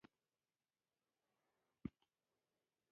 علي له احمد سره په بحث کې تت راغلی.